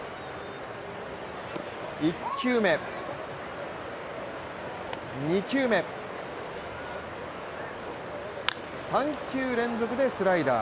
１球目、２球目、３球連続でスライダー。